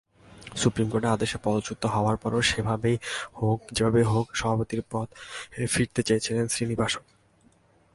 Supreme কোর্টের আদেশে পদচ্যুত হওয়ার পরও যেভাবেই হোক সভাপতির পদে ফিরতে চেয়েছিলেন শ্রীনিবাসন।